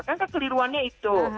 kan kekeliruannya itu